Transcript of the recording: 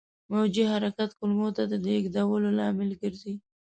موجي حرکات کولمو ته د لېږدولو لامل ګرځي.